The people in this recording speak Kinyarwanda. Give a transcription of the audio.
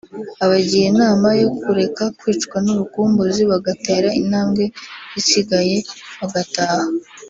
abagira inama yo kureka kwicwa n’urukumbuzi bagatera intambwe isigaye bagataha